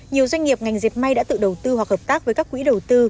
nhiều doanh nghiệp ngành dệt may đã tự đầu tư hoặc hợp tác với các quỹ đầu tư